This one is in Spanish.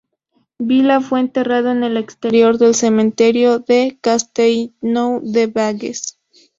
Vila fue enterrado en el exterior del cementerio de Castellnou de Bages.